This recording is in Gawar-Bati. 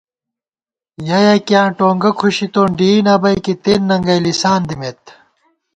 یَہ یَکِیاں ٹونگہ کھُشِتون، ڈېئی نہ بَئیکےتېن ننگَئ لِسان دِمېت